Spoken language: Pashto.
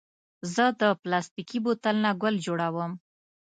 زه له پلاستيکي بوتل نه ګل جوړوم.